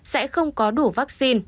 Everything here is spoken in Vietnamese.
sẽ không có đủ vaccine